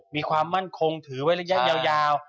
มีความมั่นคงถือไว้ระยะยาว